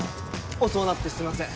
遅うなってすんません